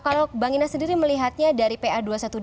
kalau bang inas sendiri melihatnya dari pa dua ratus dua belas